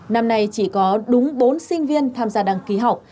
năm nay chỉ có đúng bốn sinh viên tham gia đăng ký học